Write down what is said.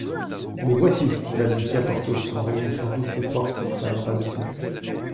Me voici, balbutia Porthos en réunissant toutes ses forces pour faire un pas de plus.